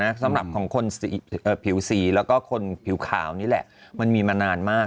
สำหรับของคนผิวสีแล้วก็คนผิวขาวนี่แหละมันมีมานานมาก